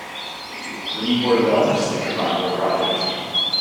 We need more developers to make a viable project.